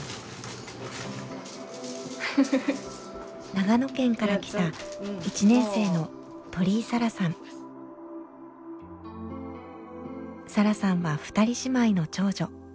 長野県から来たサラさんは２人姉妹の長女。